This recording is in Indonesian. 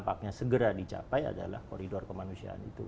dampaknya segera dicapai adalah koridor kemanusiaan itu